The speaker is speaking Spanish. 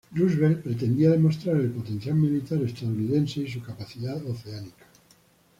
Roosevelt pretendía demostrar el potencial militar estadounidense y su capacidad oceánica.